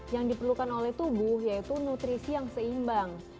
yang diperlukan oleh tubuh yaitu nutrisi yang seimbang